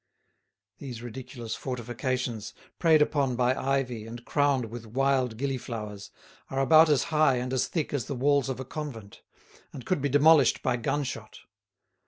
These ridiculous fortifications, preyed upon by ivy and crowned with wild gillyflowers, are about as high and as thick as the walls of a convent, and could be demolished by gunshot.